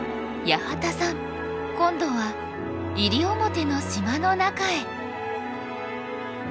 八幡さん今度は西表の島の中へ。